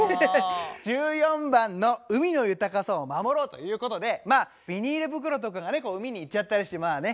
１４番の「海の豊かさを守ろう」ということでまあビニール袋とかがね海に行っちゃったりしてまあね